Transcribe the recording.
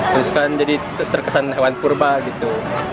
terus kan jadi terkesan hewan purba gitu